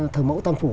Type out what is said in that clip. thờ mẫu tam phủ